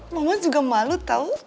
mama juga malu tahu